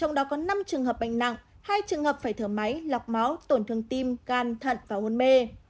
trong đó có năm trường hợp bệnh nặng hai trường hợp phải thở máy lọc máu tổn thương tim gan thận và hôn mê